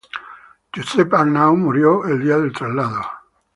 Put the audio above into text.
Josep Arnau murió el día del traslado.